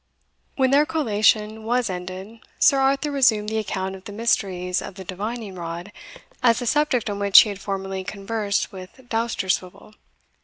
When their collation was ended, Sir Arthur resumed the account of the mysteries of the divining rod, as a subject on which he had formerly conversed with Dousterswivel.